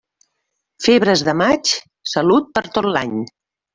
Febres de maig, salut per tot l'any.